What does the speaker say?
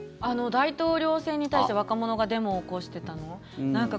大統領選に対して若者がデモを起こしてたの。